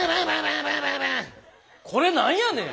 これなんやねん！